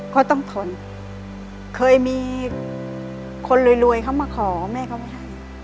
ก็ต้องทนเคยมีคนรวยเขามาขอแม่เขาไม่ให้